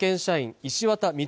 石渡道歳